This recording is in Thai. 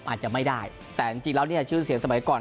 อาจจะไม่ได้แต่จริงแล้วเนี่ยชื่อเสียงสมัยก่อน